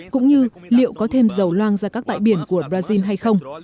cũng như liệu có thêm dầu loang ra các bãi biển của brazil hay không